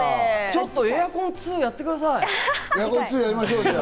ちょっとエアコン２やってください。